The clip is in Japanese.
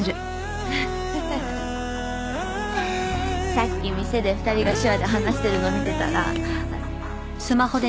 さっき店で２人が手話で話してるの見てたら。